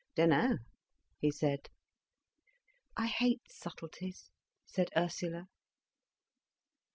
"Dunno," he said. "I hate subtleties," said Ursula.